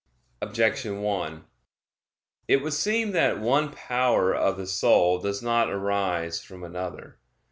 Objection 1: It would seem that one power of the soul does not arise from another.